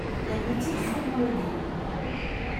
Les petites feront le guet.